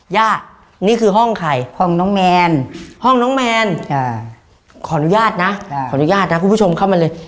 ย่านี่คือห้องใครห้องน้องแมนขออนุญาตนะคุณผู้ชมเข้ามาเลย